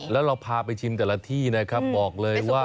แล้วเราพาไปชิมแต่ละที่นะครับบอกเลยว่า